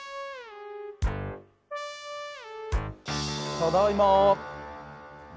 ただいま。